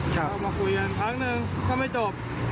เรามาคุยครั้งหนึ่งเค้าไม้จบ